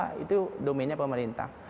tentu domennya pemerintah